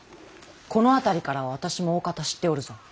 この辺りからは私もおおかた知っておるぞ。